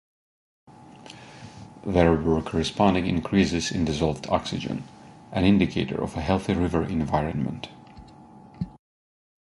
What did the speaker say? There were corresponding increases in dissolved oxygen, an indicator of a healthy river environment.